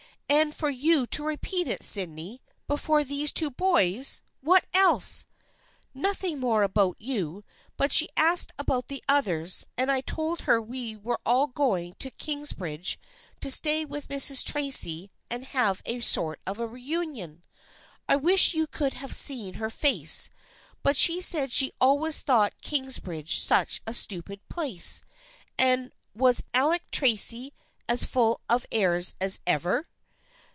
" And for you to repeat it, Sydney, before these two boys ! What else ?"" Nothing more about you, but she asked about the others, and I told her we were all going to Kingsbridge to stay with Mrs. Tracy and have a sort of a reunion. I wish you could have seen her face, but she said she always thought Kings bridge such a stupid place, and was Alec Tracy as full of airs as ever